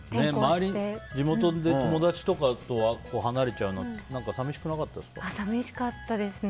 地元で友達とかと離れちゃうのは寂しかったですね。